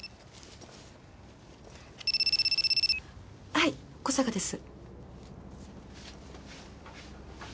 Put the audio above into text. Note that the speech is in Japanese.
はい小坂です。